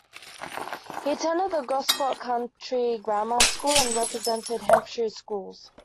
He attended Gosport County Grammar School and represented Hampshire Schools.